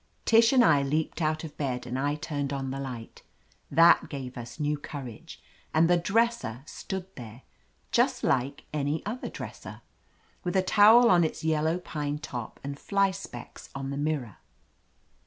Tish and I leaped out of bed and I turned on the light. That gave us new courage, and the dresser stood there, just like any other dresser, with a towel on its yellow pine top and fly specks on the mirror.